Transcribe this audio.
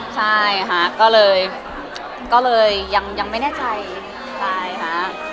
ใช่ค่ะก็เลยก็เลยยังยังไม่แน่ใจใช่ค่ะ